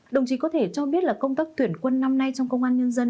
đồng chí có thể cho biết là công tác tuyển quân năm nay trong công an nhân dân